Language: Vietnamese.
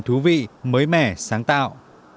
thú vị mới mẻ sáng tạo